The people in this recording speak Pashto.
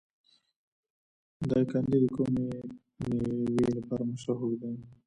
دایکنډي د کومې میوې لپاره مشهور دی؟